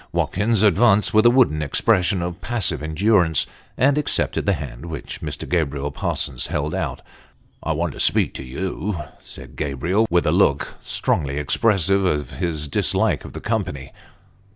Watkins advanced with a wooden expression of passive endurance, and accepted the hand which Mr. Gabriel Parsons held out. " I want to speak to you," said Gabriel, with a look strongly ex pressive of his dislike of the company.